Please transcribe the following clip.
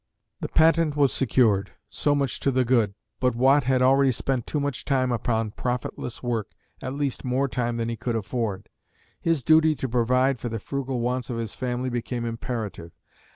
The patent was secured so much to the good but Watt had already spent too much time upon profitless work, at least more time than he could afford. His duty to provide for the frugal wants of his family became imperative.